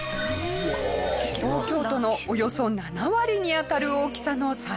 東京都のおよそ７割にあたる大きさの砂丘。